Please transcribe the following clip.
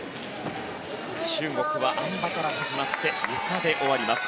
中国はあん馬から始まってゆかで終わります。